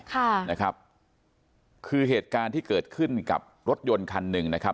ค่ะนะครับคือเหตุการณ์ที่เกิดขึ้นกับรถยนต์คันหนึ่งนะครับ